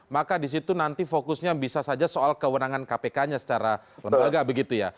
maka disitu nanti fokusnya bisa saja soal kewenangan kpk nya secara lembaga begitu ya